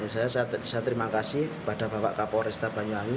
saya terima kasih kepada bapak kapolsek tapanyuwangi